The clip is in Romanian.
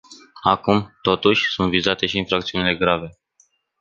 Acum, totuși, sunt vizate și infracțiunile grave.